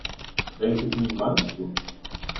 Welches Meme meinst du?